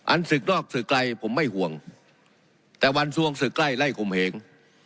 อันสึกดอกสึกไกลผมไม่ห่วงวันส่วนสึกใกล้ไล่คมเหง